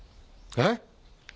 えっ！？